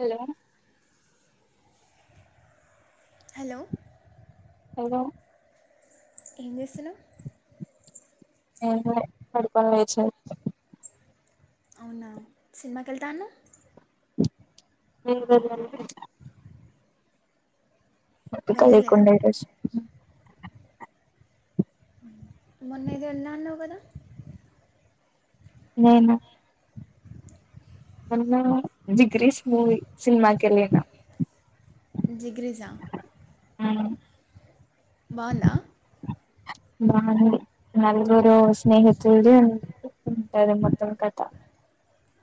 Hello hello hello ఏం చేస్తున్నావ్ ఏంలే పడుకొని లేచా ఇప్పుడే అవునా సినిమాకేళ్తా అన్నావ్ లే వెళ్లలే ఓపిక వెళ్ళలేదా లేకుండా ఈరోజు మొన్న ఏదో ఎళ్ళినా అన్నావు కదా నేనా మొన్న జిగ్రీష్ మూవి సినిమాకెళ్ళినా జిగిరిసజా ఆ బాగుందా వాణి నలుగురు స్నేహితులు ఉంటది మొత్తం కథ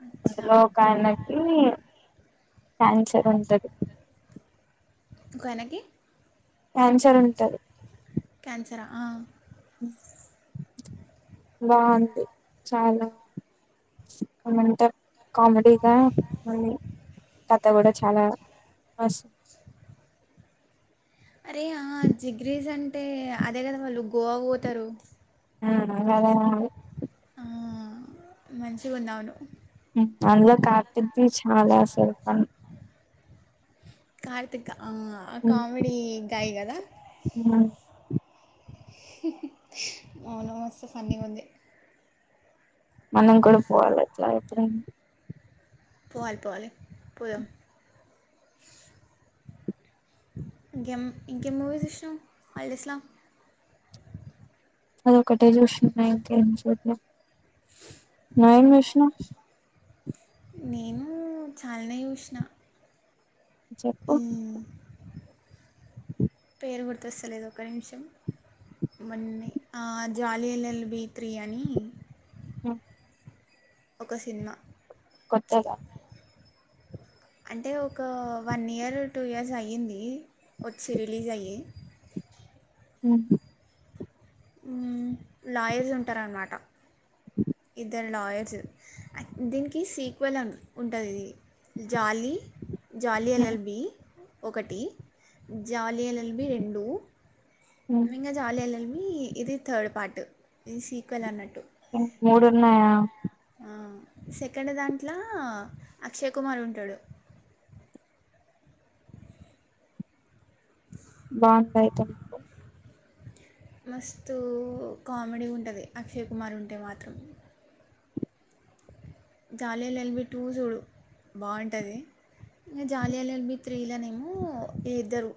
అచ్చా అందులో ఒక ఆయనకి క్యాన్సర్ ఉంటది ఒక ఆయనికి క్యాన్సర్ ఉంటది క్యాన్సరా ఆ. బాగుంది చాలా సూపర్ ఉంటది కామెడిగా మళ్ళి కథ గూడా చాలా మస్తు [inaudible] అరే ఆ జిగ్రీస్ అంటే అదే గదా వాళ్ళు గోవాకు పోతారు మ్ అదేముంది ఆ మంచిగున్నది అవును అందులో కార్తిక్ది చాలా అసలు ఫన్ కార్తిక్ అ కామెడీ గాయ్ గదా హ అవును మస్త్ ఫన్ని ఉంది మనం గూడా పోవాలా ఇట్లా ఎప్పుడెనా పోవాలే పోవాలే పోదం ఇంకేం ఇంకేం మూవీస్ చేసినవ్ హాలిడేస్లా అది ఒకటే చూస్తున్నా ఇంకేం చూడలె న మీషన్ నేను చాలానే చూసిన చెప్పు మ్ పేరు గుర్తొస్తలేదు ఒక నిమిషం మన్నే అ జాలి ఎల్ ఎల్ బి త్రి అని ఒక సినిమా కొత్తగా అంటే ఒక వన్ ఇయర్ టూ ఇయర్స్ అయ్యింది వోచి రిలీస్ అయి ఉ ఉ లాయర్స్ ఉంటారన్నమాట ఇద్దరు లాయర్స్ దీనికి సీక్వెల్ ఉంటది ఇది జాలి జాలిఎల్ఎల్బి ఒకటి జాలిఎల్ఎల్బి రెండు ఇంగా జాలీ ఎల్ ఎల్ బి ఇది థర్డ్ పార్ట్ ఇది సీక్వెల్ అన్నట్టు మూడు ఉన్నాయా అ సెకండ్ దాంట్లో అక్షయ్ కుమార్ ఉంటడు బాగుంటయి మస్తు కామెడీ ఉంటది అక్షయ్ కుమార్ ఉంటే మాత్రం జాలిఎల్ ఎల్బి టూ చూడు బాగుంటది ఇంగా జాలిఎల్ ఎల్బి త్రి ల్నేమి వీళ్ళి ఇద్దరు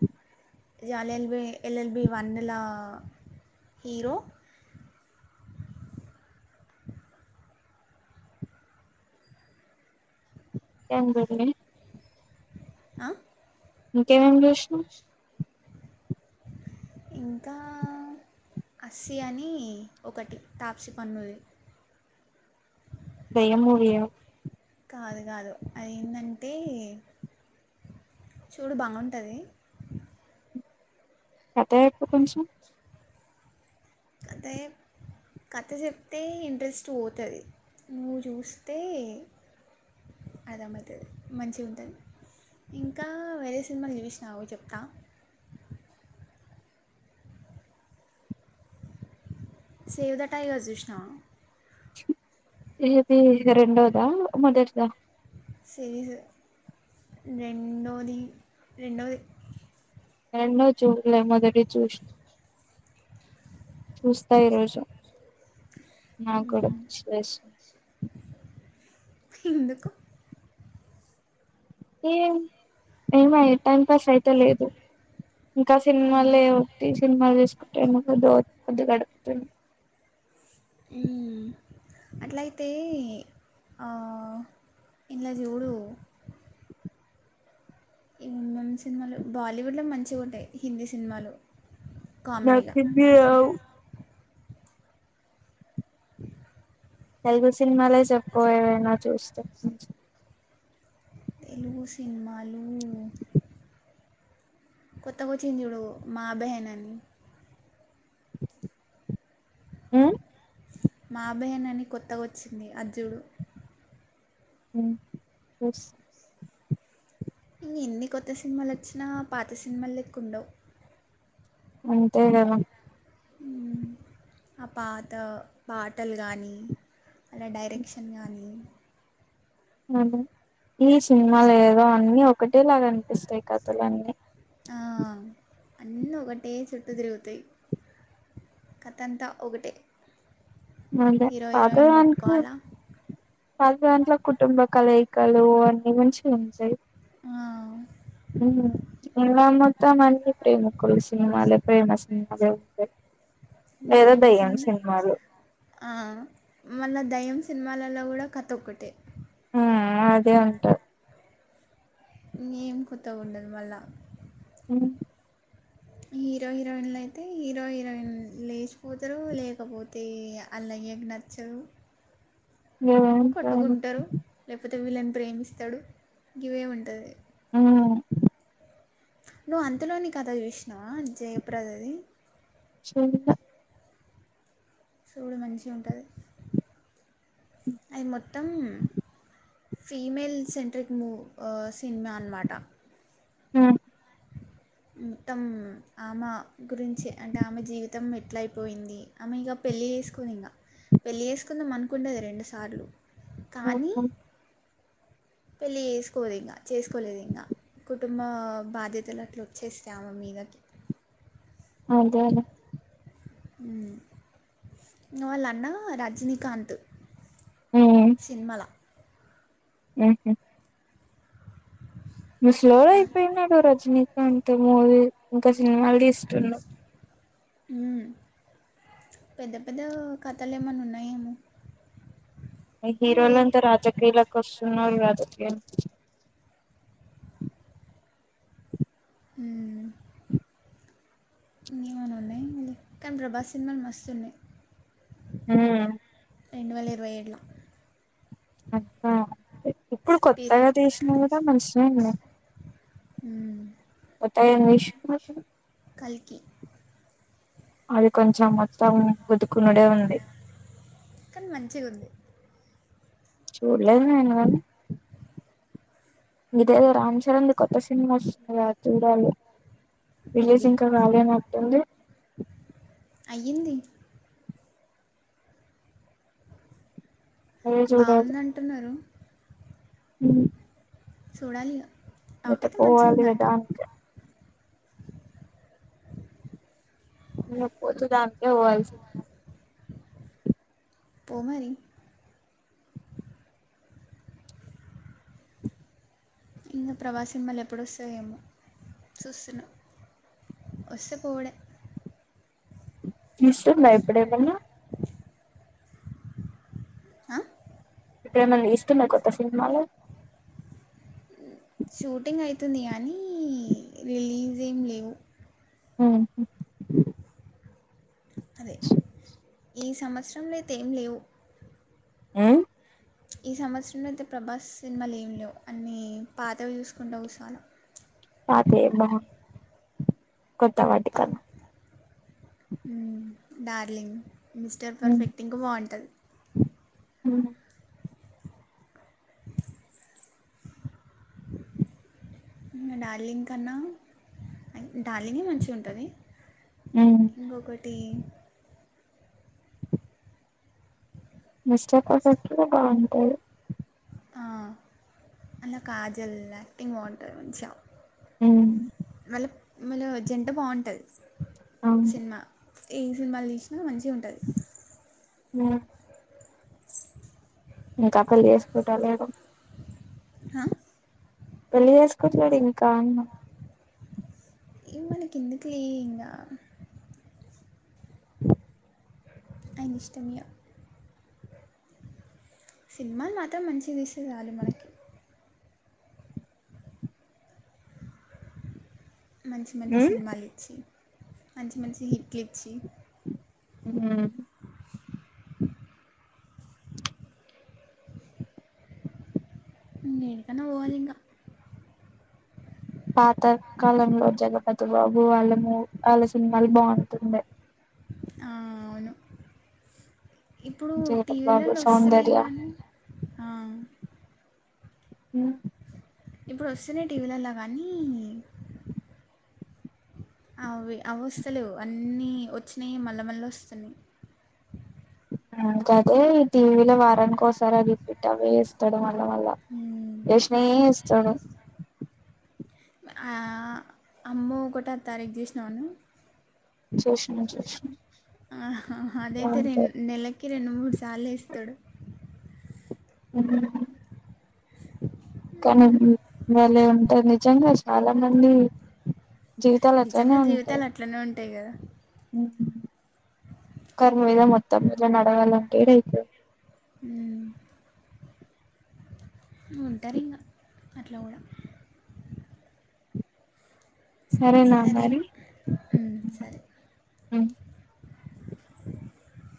జాలి ఎల్ఎల్బి ఎల్ఎల్బి వన్ ల హీరో [inaudible] ఎందడి ఆ ఇంకేమేమి చూసినవ్ ఇంకా అస్సిీ అని ఒకటి తాప్సి పన్నుది దెయ్యం మూవీ ఎం కాదు కాదు అదిేంటంటే చూడు బాగుంటది కథ చెప్పు కొంచెం అంటే కథ చెప్తే ఇంట్రెస్ట్ పోతది నువ్వు చూస్తే అర్థమౌతది మంచిగా ఉంటది ఇంకా వేరే సినిమా చూసినాగు చెప్తా సేవ్ ద టైగర్స్ చూసినవా ఏది ఇది రెండోదా మొదటిదా సరీస్ రెండోది రెండోది రెండోది చూడలే మొదటిది చూసిన చూస్తా ఈరోోజు నాక్కూడా మ్మ్. పిచ్చి లేస్తుంది ఎందుకు ఏ ఏమై టైం పాస్ అయిత లేదు ఇంకా అవునా సినిమాలే ఒకటి సినిమాలు తీసుకుంటేముంది పొద్దు గడుపుతున్న మ్ అట్లయితే అ ఏండ్లచుడు ఈమొన్న సినిమాలు బాలీవుడ్ల మంచిగుంటాయి హిందీ సినిమాలు నాకు కామెడీగా హిందీ రావు తెలుగు సినిమాలే చెప్పు ఏవైనా చూస్తే కొంచెం తెలుగు సినిమాలు కొత్తగోచ్చింది చుడు మా బెహన్ అని మ్ మా బెహన్ అని కొత్తగొచ్చింది అది చూడు మ్ చుస్ ఎన్ని కొత్త సినిమాలు వచ్చినా పాత సినిమాళ్ళేక్కఉండవు అంతే కదా మ్ ఆ పాత పాటలు కానీ అలా డైరెక్షన్ కానీ అవు ఈ సినిమాలు ఏదో అన్నిీ ఒకటేలాగా అనిపిస్తాయి కథలన్నీ అ అన్నీ ఒకటే చుట్టు తిరుగుతాయి కథంతా ఒకటే అదే హీరో హీరోయిన్ పాతదాంట్లో కొట్టుకోవాలా పాతదాంట్లో కుటుంబ కలయి కలు అన్ని మంచిగుంయి మ్ త్తమన్ని ప్రేమికులు సినిమాలే ప్రేమ సినిమాలే ఉంటాయి లేదా దయ్యం సినిమాలు అ మళ్ళా దెయ్యం సినిమాలళ్ళ కూడా కథ ఒక్కటే ఆ అదే అంట ఏం కొత్తగా ఉండదు మళ్ళా ఉ హీరో హీరోయిన్లు అయితే హీరో హీరోయిన్ లేచిపోతారు లేకపోతే అల్ల ఎగ్ నచ్చావ్ ఏవో ఉంటాయి. కట్టుకుంటారు లేకపోతే వీళ్ళని ప్రేమిస్తాడు ఇవే ఉంటది ఊ నువ్వు అంతలోని కథ చూసినావా జయప్రదది చూడ్ల సూడు మంచిగా ఉంటది అది మొత్తం ఫీమేల్ సెంట్రిక్ మూవ్ ఆ సినిమా అన్నమాట ఉ మొత్తం ఆమె గురించే అంటే ఆమె జీవితం ఎట్ల అయిపోయింది ఆమె ఇక పెళ్ళి చేసుకుని ఇంకా పెళ్ళి చేసుకుందాం అనుకున్నది రెండు సార్లు కానీ ఉమ్ పెళ్ళి చేసుకోదు ఇంకా చేసుకోలేదు ఇంకా కుటుంబ బాధ్యతలు అట్లా వచ్చేసినై ఆమె మీదకి అదేలే ఉ ఇంకా వాళ్ళ అన్న రజినీకాంత్ ఉమ్ సినిమాల ఉహు ఇంకా స్లో అయిపోయినాడు రజనీకాంత్ మూవీ ఇంకా సినిమాలు తీస్తున్నా ఉ పెద్ద పెద్ద కథలు ఏమైనా ఉన్నాయేమో ఇంక్ ఇంకా వేరే హీరోలంతా రాజకీయలాకి వస్తున్నారు రాజకీయలు ఊ ఇంకేమన్నా ఉన్నాయి మళ్లీ కానీ ప్రభాస్ సినిమాలు మస్తు ఉన్నాయి ఉ రెండు వేల ఇరవై ఏడులా అట్నా ఇప్పుడు కొత్తగా స్పిరిట్ తీసిన కదా మషినే ఉ త ఏం తీసినాడు కల్కి అది కొంచెం మొత్తం గుద్దుకున్నోడే ఉంది కానీ మంచిగా ఉంది చూడలేదు నేను గాని మీదేదో రామ్ చరణ్దిది కొత్త సినిమా వస్తుంది కద ఆది చూడాలి రిలీజ్ పెద్ది ఇంకా కాలినట్టుంది అయింది అదే బాగుంది అంటున్నారు ఉ సోడాలి ఇగ ఇంకా పోవాలి కదా అంతే ఇంకా పోతే దానికే పోవాల్సిందే పో మరి ఇంకా ప్రభాస్ సినిమాలు ఎప్పుడు వస్తాయో ఏమో చూస్తున్న వస్తే పోవుడే తీస్తుందా ఇప్పుడు ఏమైనా ఆ ఇప్పుడ ఏమన్నా చూస్తున్నారా కొత్త సినిమాలు షూటింగ్ అయితుంది కానీ రిలీజ్ ఏమి లేవు ఆ అదే ఈ సంవత్సరంలో అయితే ఏం లేవు ఆ ఈ సంవత్సరంలో అయితే ప్రభాస్ సినిమాలు ఏం లేవు అన్నీ పాతవి చూసుకుంటూ కూసోల పాతయి ఏం నా కొత్త పా వాటికాన్న డార్లింగ్ మిస్టర్ పర్ఫెక్ట్ ఇంకా బాగుంటది అ డార్లింగ్ కన్నా డార్లింగే మంచిగా ఉంటది ఇంకొకటి [inaudible] మిస్టేక్ పర్ఫెక్ట్ బాగుంటది ఆ అల్ల కాజల్ యాక్టింగ్ బాగుంటది మంచిగా మల్ల వాళ్ళ జంట బాగుంటది అవును సినిమా ఏ సినిమాలు తీసినా మంచిగా ఉంటది ఇంకా రకుల్ చేసుకుంటాలేడు హా పెళ్ళి చేసుకుంట్లేడు ఇంకాన్నా ఇ మనకి ఎందుకులే ఇంగా ఆయనిష్టం మీయ సినిమాలు మాత్రం మంచియి తీస్తే చాలు మనకి మంచి మంచి ఉమ్ సినిమాలు ఇచ్చి మంచి మంచి హిట్లు ఇచ్చి హ హ దేనికన్నా పోవ లింగ పాత కాలంలో జగపతి బాబు వాళ్ళ మూ వాళ్ళ సినిమాలు బాగుంటుండే ఆ అవును ఇప్పుడు జగపతి బాబు టీవీలలో వస్తున్నాయి సౌందర్య కానీ ఆ అ ఇప్పుడు వస్తేనే టీవీలల్ల కానీ అవి అవి వస్తలేవు అన్నీ వచ్చినాయి మళ్ళా మళ్ళ వస్తున్నాయి ఇంకదే టీవీల వారానికోసారా రిపీట్ అవే ఎస్తాడు మ ల్ల ఉమ్. ఎషినయే ఎస్తడు ఆ అమ్మో ఒకటో తారీక్ చూసినావాను మంచి వచ్చినాయి ఆ అదైతే రెం నెలకి రెండు మూడు సార్ల ఎస్తడు అఓహ కానీ బలే ఉంటాది నిజంగా చాలా మంది జీవితాలు అట్లానే ఉంటాయి టె కదా ఒకరి మీద మొత్తం రోజ నడవాలంటే ఏడైతది ఆ ఉంటరు ఇంగా అట్లా కూడా సరేనా సరే మరి ఉమ్, సరే ఉమ్ [inaudible]